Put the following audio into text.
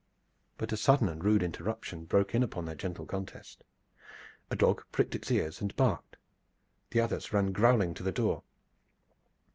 But a sudden and rude interruption broke in upon their gentle contest. A dog pricked its ears and barked. The others ran growling to the door.